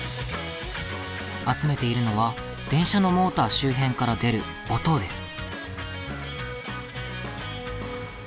集めているのは電車のモーター周辺から出る「音」です。